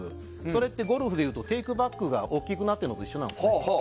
それってゴルフでいうとテイクバックが大きくなってるのと一緒なんです。